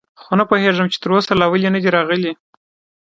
خو نه پوهېږم، چې تراوسه لا ولې نه دي راغلي.